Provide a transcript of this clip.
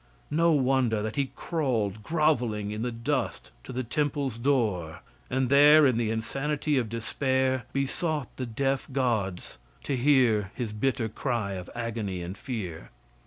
No wonder that he crawled groveling in the dust to the temple's door, and there, in the insanity of despair, besought the deaf gods to hear his bitter cry of agony and fear.